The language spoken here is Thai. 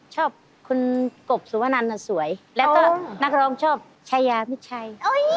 ชอบคุณกบสุวนันสวยแล้วก็นักร้องชอบชายามิดชัย